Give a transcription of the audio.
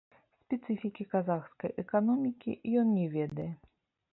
Спецыфікі казахскай эканомікі ён не ведае.